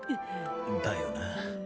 だよな。